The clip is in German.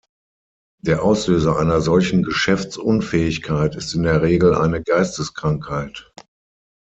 Der Auslöser einer solchen Geschäftsunfähigkeit ist in der Regel eine Geisteskrankheit.